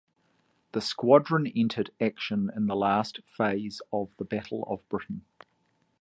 The squadron entered action in the last phase of the Battle of Britain.